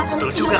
betul juga kak